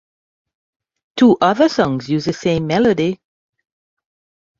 Two other songs use the same melody.